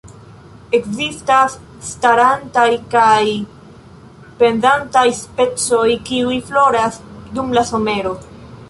Ekzistas starantaj kaj pendantaj specoj, kiuj floras dum la somero.